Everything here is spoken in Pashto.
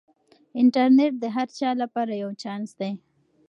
انټرنیټ د هر چا لپاره یو چانس دی.